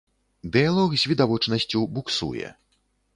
Дыялог з відавочнасцю буксуе.